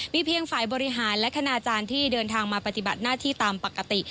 เพียงฝ่ายบริหารและคณาจารย์ที่เดินทางมาปฏิบัติหน้าที่ตามปกติ